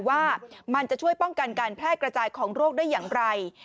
ว่ามันจะช่วยป้องกันการแพร่กระจายของโรคได้อย่างไร